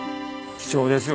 貴重ですよ。